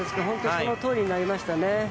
そのとおりになりましたね。